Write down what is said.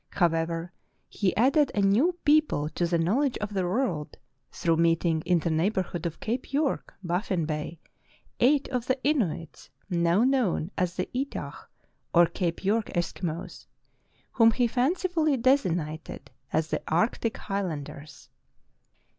However, he added a new people to the knowledge of the world through meeting in the neigh borhood of Cape York, Baffin Bay, eight of the Inuits, now known as the Etah or Cape York Eskimos, whom he fancifully designated as the Arctic Highlanders.